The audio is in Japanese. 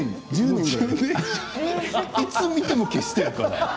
いつ見ても消しているから。